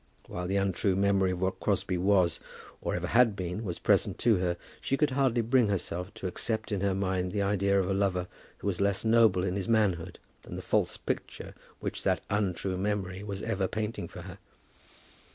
While the untrue memory of what Crosbie was, or ever had been, was present to her, she could hardly bring herself to accept in her mind the idea of a lover who was less noble in his manhood than the false picture which that untrue memory was ever painting for her.